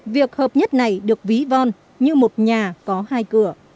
việc hợp nhất này được ví von như một nhà có hai cửa